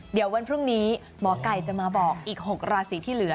เดี๋ยววันพรุ่งนี้หมอไก่จะมาบอกอีก๖ราศีที่เหลือ